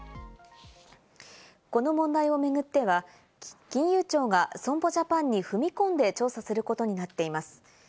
この問題を巡っては、金融庁が損保ジャパンに踏み込んで調査することになっています。